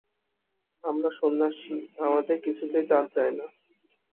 আমরা সন্ন্যাসী, আমাদের কিছুতেই জাত যায় না।